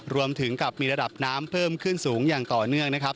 รวมถึงกับมีระดับน้ำเพิ่มขึ้นสูงอย่างต่อเนื่องนะครับ